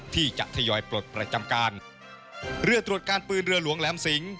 ที่จะทยอยปลดประจำการเรือตรวจการปืนเรือหลวงแหลมสิง